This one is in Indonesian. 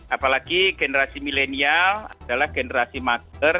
apalagi generasi milenial adalah generasi masker